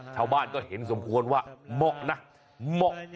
ชาวบ้านก็เห็นสมควรว่าเหมาะนะเหมาะ